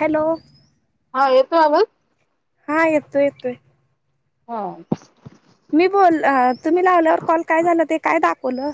Hello. हा, येतोय आवाज. हां, येतोय येतोय. हां. मी बोल तुम्ही लावल्यावर कॉल काय झाल, ते काय दाखवलं.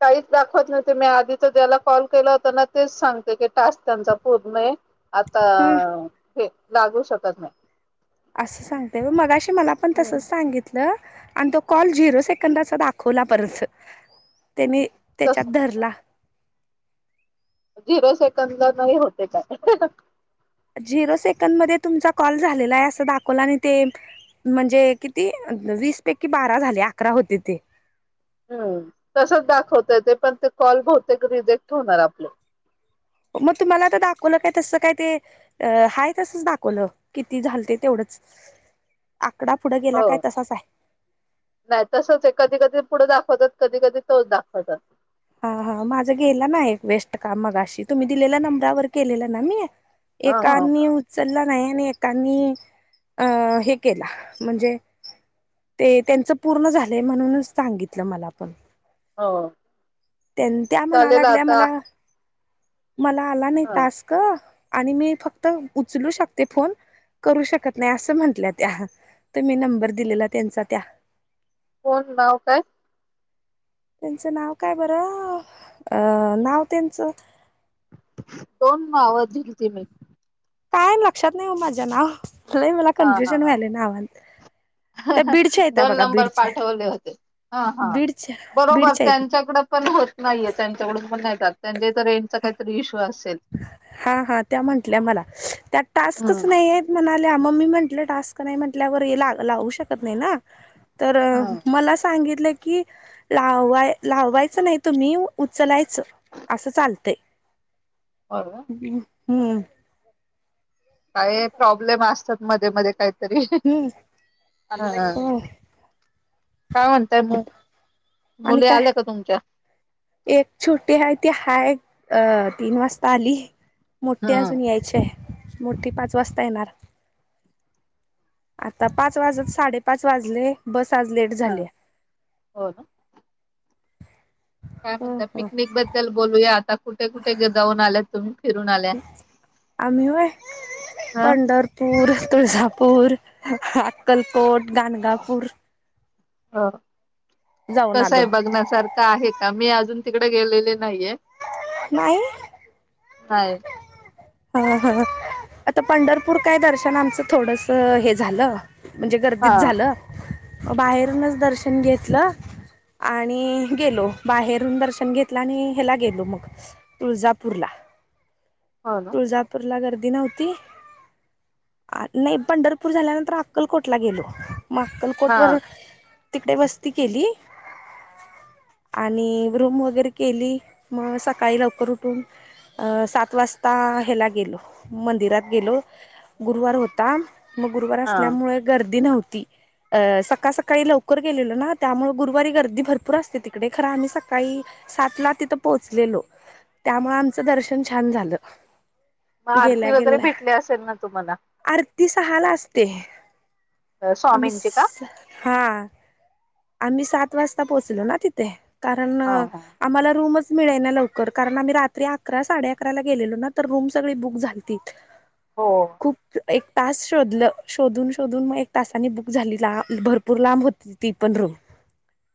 काहीच दाखवत नव्हते. मी आधीच ज्याला कॉल केला होता ना, तेच सांगते की टास्क त्यांचा पूर्ण आहे. आता, ह हे लागू शकत नाही. असं सांगते होय. मगाशी मला पण हम्म तसंच सांगितल. ल. आणि तो कॉल झिरो सेकंदाचा दाखवला परच, ते मी तस त्याच्यात धरला. झिरो सेकंदला नाही होते काय? झिरो सेकंद मध्ये तुमचा कॉल झालेला आहे. असं दाखवला आणि ते, म्हणजे किती? वीस पैकी बारा झाले. अकरा होते ते, हं तसच दाखवतय. ते पण ते कॉल बहूतेक रिजेक्ट होणार आपलं. मग तुम्हाला आता दाखवलं काय? तसं काय ते, अं हाय तसंच दाखवलं. किती झाल ते तेवढंच. आकडा पुढं गेला हो काय तसाच हाय? नाही तसंच आहे. कधी कधी पुढं दाखवतात, कधी कधी तोच दाखवतात. हा हा, माझा गेला ना एक वेस्ट काम, मघाशी तुम्ही दिलेल्या नंबरावर केलेला ना मी. ह ह एकांनी उचलला नाही. आणि एकांनी, अं हे केला म्हणजे, ते, त्यांचं पूर्ण झालं म्हणूनच सांगितलं. मला पण, हो. त्यां, त्या म्हणा चालेल लागल्या आता मला, मला आला नाही ह टास्क. आणि मी फक्त उचलू शकते फोन- करू शकत नाही. असं म्हंटलं त्या, तुम्ही नंबर दिलेला त्यांचा त्या, कोण, नाव काय? त्यांचं नाव काय बरं? अं नाव त्यांचं, दोन नाव दिलती मी. काय लक्षात नाही ओ माझं नाव? लई मला हा हा कन्फ्युजन व्हायल नावात. दोन नंबर पाठवले होते. हा हा, बीडच्या बरोबर बीडच्या आहेत त्यांच्याकडे पण हो नाहीय. त्यांच्याकडून पण नाहीे जात त्यांच्या इथं रेंजचा काहीतरी इश्यू असेल. हा हा. त्या म्हंटल्या मला, त्यात टास्कच हम्म. नाहीय. म्हणाल्या, मग मी म्हटलं टास्क नाही म्हटल्यावर लावू शकत नाही ना. तर, हा मला सांगितलं की, लावाय लावायचं नाही तुम्ही उचलायचं असं चालतंय होय हम्म तरी हम्म हा हा हो काय म्हणताय हो आणि मुली काय आल्या का तुमच्या एक छोटी हाय ती हाय अ तीन वाजता आली मोठी हम्म. अजून यायची आहे मोठी पाच वाजता येणार आता पाच वाजत साडेपाच वाजले बस आज लेट झाल्या होय का काय हो म्हणता हो पिकनिक बद्दल बोलूया आता कुठे कुठे जाऊन आल्या तुम्ही फिरून आल्या आम्ही होय हा पंढर पूर, तुळजापूर, अक्कलकोट, गानगापूर अ जाऊन कसं आहे आलो बघण्यासारखं का आहे का मी अजून तिकडे गेलेले नाहीये नाही हाय हा हा आता पंढरपूर काय दर्शन आमचं थोडसं हे झालं म्हणजे हा गर्दीत झालं म बाहेरूनच दर्शन घेतलं आणि गेलो बाहेरून दर्शन घेतलं आणि ह्याला गेलो मग तुळजापूरला होय तुळजापूरला गर्दी नव्हती नाही पंढरपूर झाल्यानंतर अक्कलकोटला गेलो मग हा अक्कलकोटवरुन तिकडे वस्ती केली आणि रूम वगैरे केली मग सकाळी लवकर उठून अ सात वाजता ह्याला गेलो मंदिरात गेलो गुरुवार होता मग गुरुवार हा. असल्यामुळे गर्दी नव्हती अ सकाळ सकाळी लवकर गेलेलो ना त्यामुळे गुरुवारी गर्दी भरपूर असते तिकडे खरं आम्ही सकाळी सात ला तिथं पोहोचलेलो त्यामुळे आमचं दर्शन छान झालं मग गेल्या आरती वगैरे गेल्या भेटली असेल ना तुम्हाला आरती सहाला असते आम्ही स्वामींची का? हा आम्ही सात वाजता पोहोचलो ना तिथे कारण हा हा. आम्हाला रूमच मिळेना लवकर कारण आम्ही रात्री अकरा साडे अकराला गेलेलो ना तर रूम सगळी बुक झालती [unintelligible] हो हो खूप एक तास शोधलं शोधून शोधून मग एक तासाने बुक झाली ला भरपूर लांब होती ती पण रूम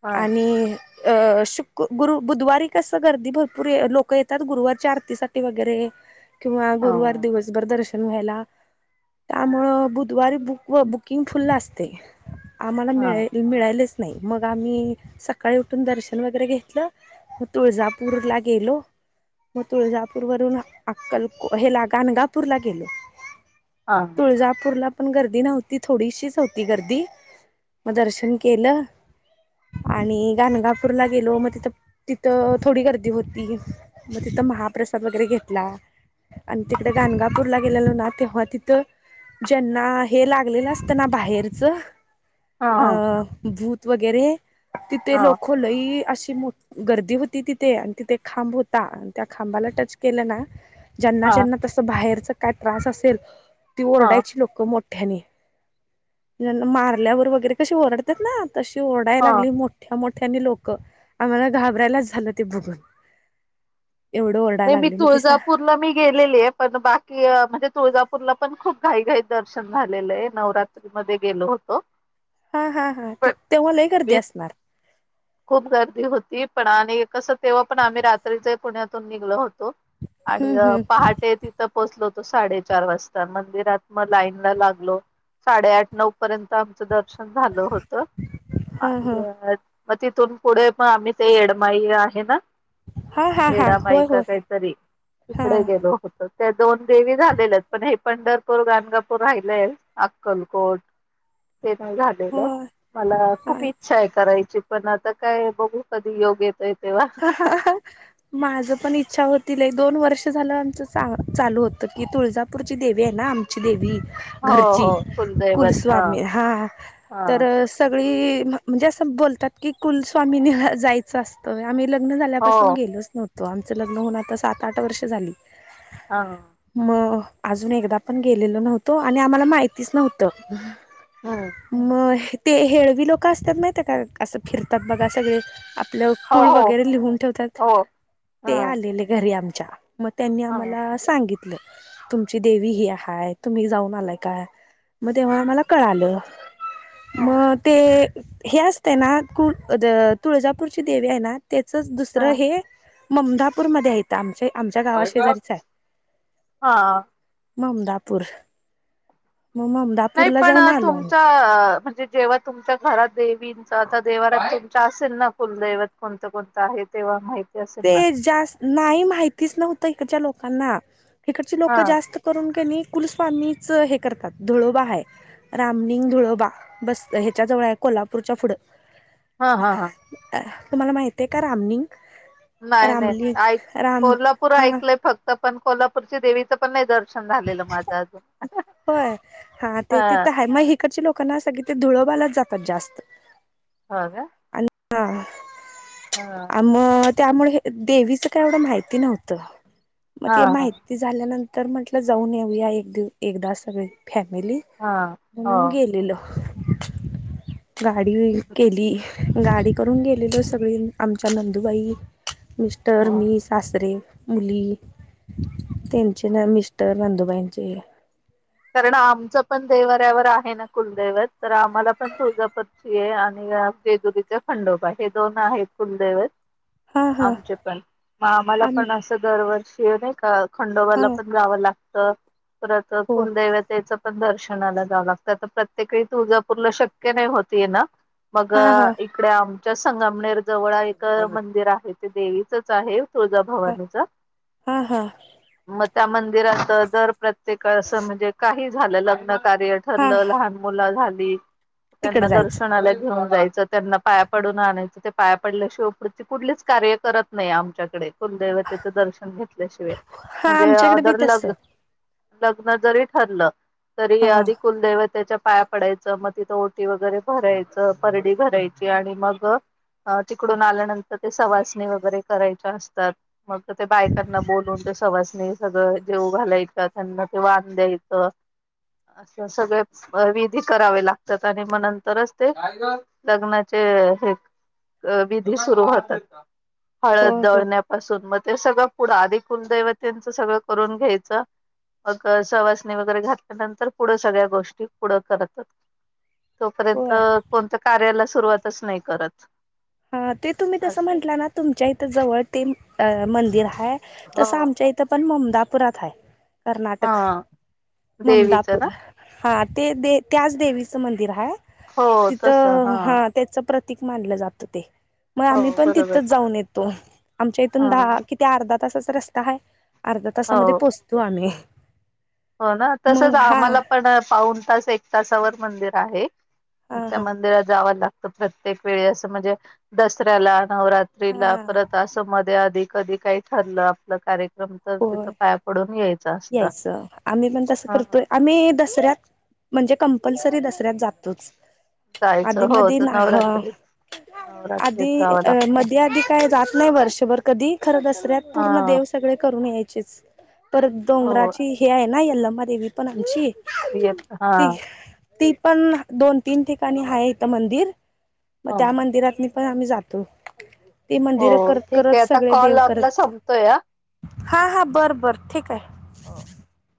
हां आणि अ शुक गुरु बुधवारी कसं गर्दी भरपूर लोकं येतात गुरुवारच्या आरतीसाठी वगैरे किंवा गुरुवार हां दिवसभर दर्शन घ्यायला त्यामुळं बुधवारी बुक बुकिंग फुल्ल असते आम्हाला हां मिळा मिळा नाही मग आम्ही सकाळी उठून दर्शन वगैरे घेतलं मग तुळजापूरला गेलो मग तुळजापूर वरून अक्कलको हेला गाणगापूर ला गेलो हा तुळजापूरला पण गर्दी नव्हती थोडीशीच होती गर्दी मग दर्शन केलं.. आणि गाणगापूरला गेलो मग तिथं तिथं थोडी गर्दी होती. मग तिथं महाप्रसाद वगैरे घेतला. आणि तिकडे गाणगापूरला गेलेल ना तेव्हा तिथं ज्यांना हे लागलेलं असत ना बाहेरचं. हा अ हा. भूत वगैरे, तिथे हां लोक लइ अशी मोठ गर्दी होती तिथे आणि तिथे एक खांब होता आणि त्या खांबाला टच केलं ना. ज्यांना हां ज्यांना तसं बाहेरच काय त्रास असेल ती हां ओरडायची लोक मोठ ठ्यांनी मी म्हंटल मारल्यावर वगैरे कशी ओरडतात ना तशी ओरडाय हां लागली मो मोठ्या मोठ्यानी लोक आम्हाला घाबरायलाच झालं ते बघून. एवढं व्हय ओरडायला मी लागले मग ते सा तुळजापूरला मी गेलेली आहे पण बाकी म्हणजे तुळजापूरला पण खूप घाई घाई दर्शन झालेलं आहे नवरात्र. एप्रिल मध्ये गेलो होतो. हा हा हा पण तेवा लई गर्दी मी असणार. खूप गर्दी होती पण आणि कस तेव्हा पण आम्ही रात्रीचे पुण्यातून निघलो होतो आणि हम्म हम्म पहाटे तिथ तिथं पोचलो होतो साडेचार वाजता मंदिरात म लाईन ला लागलो साडे आठ नऊ पर्यंत आमचं दर्शन झालं होत हा आणि हा म तिथून पुढे म आम्ही ते एडमाई आहे ना हा हा हा एडा माई होय का होय काय तरी हा तिकडे गेलो होतो त्या दोन देवी झालेल्या आहेत पण हे पंढरपूर गाणगापूर राहिलेय अक्कलकोट ते पण झालेलं हो मला खूप इच्छा आहे करायची पण आता काय बघू कधी योग येतोय तेव्हा [inaudible] माझं पण इच्छा होती एक दोन वर्ष झालं आमचं चा चालू होतं की तुळजापूरची देवी आहे ना आम देवी हो घरची हो कुलदैवत हा कुलस्वामी हा हा तर सगळी म्हणजे असं बोलतात की कुलस्वामीनी जायचं असतं तर आम्ही लग्न झाल्यापासून हो गेलोच नव्हतो. आमचं लग्न होऊन आता सात -आठ वर्ष झाली. हा हा हा मग अजून एकदा पण गेलेलो नव्हतो आणि आम्हाला माहितीच नव्हतं. हम्म म हे ते हेळवी लोकं असत्यात माहिती हाय का असं फिरतात बघा सगळे आपल्या हो कूळ हो वगैरे लिहून ठेवतात हो ह ते आलेले घरी आमच्या म त्यांनी ह आम्हाला सांगितलं तुमची देवी ही हाय तुम्ही जाऊन आलाय काय म तेव्हा आम्हाला कळालं हो म ते हे असतं ना कु तुळजापूरची देवी आहे ना त्याचच दुसरं ह हे ममदापूरमध्ये आहेत आमच्या आमच्या गावा शेजारीच आहे. हा ममदापूर म मम नाही पण तुमच म्हणजे जेव्हा तुमच्या घरात देवींच आता देवारा तुमच्या असेल ना, कुलदैवत कोणतं कोणतं आहे तेव्हा माहित? ते जास्त नाही माहितीच नव्हतं इकडच्या लोकांना. इकडचे हा लोक जास्त करून कनय कुलस्वामीच हे करतात धळोबा हाय रामलिंग धुळबा बस ह्याच्या जवळ हाय कोल्हापूरच्या पुढं हा हा हा. तुम्हाला माहिती आहे का रामनिंग? नाही नाही ऐक कोल्हापूर हा ऐकलंय फक्त त पण कोल्हापूरच्या देवीचं पण नाही दर्शन झालेलं माझं अजून. होय हा ते तिथं हाय मग इकडची लोकं ना सगळी ते धुळोबालाच जातात जास्त. हो का? हा. हा. मग त्यामुळ हे देवीचं काय एवढं माहिती नव्हतं. मग हा ते हा माहि ती झाल्यानंतर म्हंटलं जाऊन येऊया एक दि एकदा सगळी फॅमिली, हा हो म्हणून गेलेलो गाडी केली. गाडी करून गेलेलो सगळी आमच्या नंदुबाई, मिस्टर, हो मी सासरे, मुली, त्यांचे ना मिस्टर नंदूबाईंचे. कारण आमचं पण देवाऱ्यावर आहे ना कुलदैवत तर आम्हाला पण तुळजापत ये आणि जेजुरीचे खंडोबा हे दोन आहेत कुलदैवत हा हा आमचे पण मग आम्हाला आम पण असं दरवर्षी हे नाही का हा खंडोबाला पण जावं लागत परत हो कुलदैवत च पण दर्शनाला जावं लागतं तर प्रत्येकवेळी तुळजापूरला शक्य नाही होत येणं. मग हा हा इकडे आमच्या संगमनेर जवळ एक मंदिर आहे ते देवीचच आहे हा तुळजाभवानीच. हा हा मग त्या मंदिरात दर प्रत्येक म्हणजे काही झालं लग्न कार्य हा ठरलं लहान मुल झाली त्यांना तिकडं जायचं दर्शनाला घेऊन जायचं. त्यांना पाया पडून आणायच ते पाया पडल्या शिवाय कुठलीच कार्य करत नाही आमच्याकडे. कुलदैवतेचं दर्शन घेतल्याशिवाय हा म्हणजे आमच्याकडे बी जर तस लग्न जरी ठरल तरी हा आधी कुलदैवतेच्या पाया पडायचं मग तिथं ओटी वगैरे भरायचं परडी भरायची आणि मग अ तिकडून आल्यानंतर ते सवासणी वगैरे करायच्या असतात. मग ते बायकांना बोलून ते सहवासणी सगळं जेव घालायत का त्यांना ते वान द्यायच असं सगळ विधी करावे लागतात आणि मग नंतरच ते लग्नाचे हे अ विधी सुरू होतात. हो हळद हो दळण्यापासून मग ते सगळं पुढं आधी कुलदैवतेचं सगळं करून घ्यायचं मग सवासणी वगैरे घातल्यानंतर पुढं सगळ्या गोष्टी पुढं करतात. तोपर्यंत होय कोणत्या कार्याला सुरुवातच नाही करत. हा ते तुम्ही तसं असं म्हंटलं ना तुमच्या इथं जवळ ते मंदिर हाय तसं हो आमच्या इथ त पण ममदापुरात हाय कर्नाटक हा देवीचं ममदापूर. ना हा ते दे त्याच देवीचं मंदिर हाय हो तस तिथं हा त्येच प्रतीक मानलं जातं ते. मग हो आम्ही पण बरोबर तिथच जाऊन येतो, आमच्या इथून हा दहा किती अर्धा तासाचा रस्ता हाय. अर्धा तासामध्ये हो पोहोचतो आम्ही. हो ना तसच मग हा आम्हाला पण पाऊन तास एक तासावर मंदिर आहे. हा त्या हा मंदिरात जाव लागतं प्रत्येक वेळेसं म्हणजे दसऱ्याला नवरात्रीला हा परत असं मध्ये अधी, कधी काही ठरलं आपलं कार्य जमतं होय तिथं पाया पडून यायचं असतं. यायचं आम्ही पण तसं करतोय आम्ही दसऱ्यात म्हणजे कंपल्सरी दसऱ्यात जातोच. जायचं आधी हो मधी तर ना, ह. नवरात्रीत नवरात्रीत आधी जावं अ लागतं मधी-आधी काय जात नाही वर्ष कधी खर दसऱ्यात पूर्ण हा देव सगळे करून यायचीच, परत हो डोंगराची हे आहे ना, यल्लमादेवी पण आमची, येत हा ती ती पण दोन -तीन ठिकाणी हाय इथं मंदिर, मग ह त्या मंदिरात मी पण आम्ही जातो, ती हो मदिरं करत- करत सगळे देव करत हो या? हा, हा बरं, बरं ठीक हाय. [unintelligible]